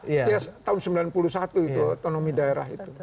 ya tahun sembilan puluh satu itu otonomi daerah itu